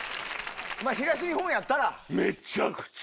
まぁ東日本やったら。